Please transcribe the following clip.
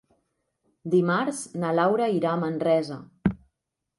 Dimarts na Laura irà a Manresa.